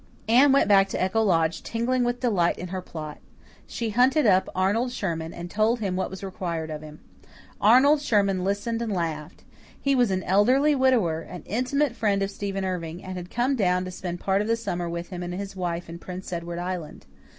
Anne went back to Echo Lodge tingling with delight in her plot. She hunted up Arnold Sherman, and told him what was required of him. Arnold Sherman listened and laughed. He was an elderly widower, an intimate friend of Stephen Irving, and had come down to spend part of the summer with him and his wife in Prince Edward Island.